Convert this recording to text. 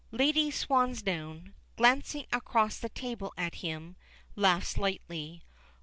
Lady Swansdown, glancing across the table at him, laughs lightly.